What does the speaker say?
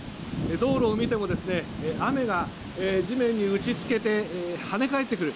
道路を見ても雨が地面に打ちつけて跳ね返ってくる。